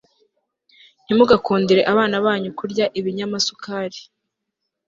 Ntimugakundire abana banyu kurya ibinyamasukari